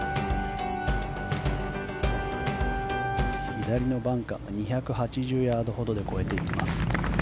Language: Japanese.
左のバンカーが２８０ヤードほどで越えていきます。